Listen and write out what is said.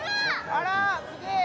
あらすげえ！